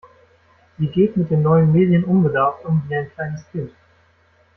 Sie geht mit den neuen Medien unbedarft um, wie ein kleines Kind.